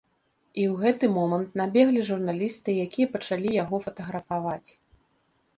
І ў гэты момант набеглі журналісты, якія пачалі яго фатаграфаваць.